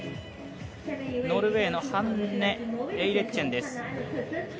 ノルウェーのハンネ・エイレッチェンです。